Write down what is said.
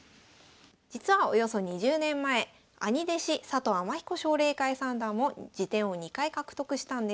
実はおよそ２０年前兄弟子佐藤天彦奨励会三段も次点を２回獲得したんです。